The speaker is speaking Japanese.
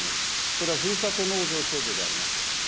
それはふるさと納税制度であります。